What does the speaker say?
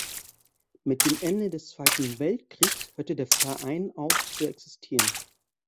Mit dem Ende des Zweiten Weltkriegs hörte der Verein auf zu existieren.